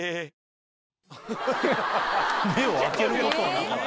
「目を開けることはなかった」。